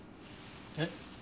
えっ？